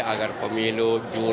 agar pemilu jujur